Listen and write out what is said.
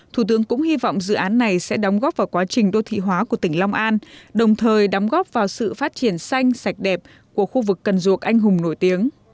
thủ tướng cũng hy vọng dự án này sẽ đóng góp vào quá trình đô thị hóa của tỉnh long an đồng thời đóng góp vào sự phát triển xanh sạch đẹp của khu vực cần duộc anh hùng nổi tiếng